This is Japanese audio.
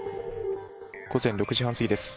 午前６時半過ぎです。